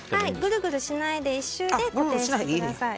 ぐるぐる巻かずに１周で固定してください。